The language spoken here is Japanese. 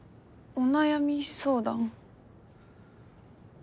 お悩み相談？